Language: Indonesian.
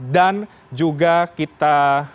dan juga kita